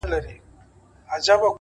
صبر د بریا د رسېدو واټن لنډوي’